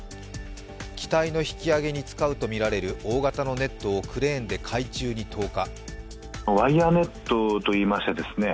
機体の引き揚げに使うとみられる大型のネットをクレーンで海中に投下。